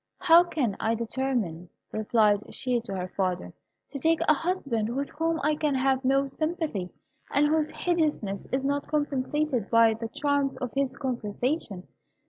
"How can I determine," replied she to her father, "to take a husband with whom I can have no sympathy, and whose hideousness is not compensated for by the charms of his conversation?